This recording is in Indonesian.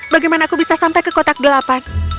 bagaimana aku bisa sampai ke kotak delapan